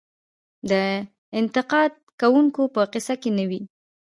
د انتقاد کوونکو په قصه کې نه وي .